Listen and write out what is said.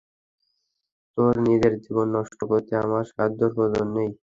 তোর নিজের জীবন নষ্ট করতে আমার সাহায্যের প্রয়োজন নেই।